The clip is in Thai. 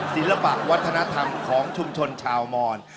ศิลปะวัฒนธรรมของชุมชนชาวมอน